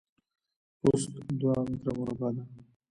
پوست دوه مربع متره ده.